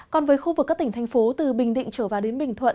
còn với khu vực các tỉnh thành phố từ bình định trở vào đến bình thuận